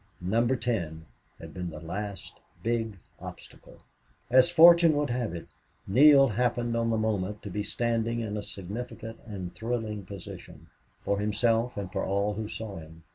Number Ten had been the last big obstacle. As fortune would have it, Neale happened on the moment to be standing in a significant and thrilling position, for himself and for all who saw him.